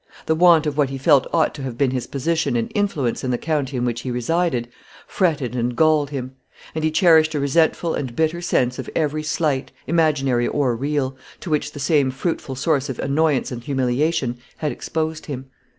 The want of what he felt ought to have been his position and influence in the county in which he resided, fretted and galled him; and he cherished a resentful and bitter sense of every slight, imaginary or real, to which the same fruitful source of annoyance and humiliation had exposed him.